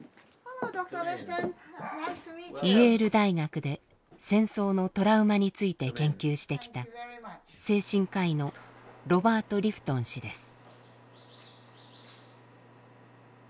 イェール大学で戦争のトラウマについて研究してきた精神科医のロバート・リフトン氏です。